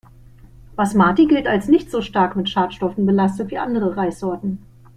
Basmati gilt als nicht so stark mit Schadstoffen belastet wie andere Reissorten.